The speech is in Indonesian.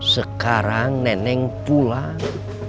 sekarang nenek pulang